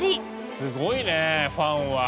すごいねファンは。